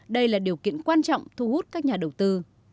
đây là điều kiện quan trọng thu hút các nhà đầu tư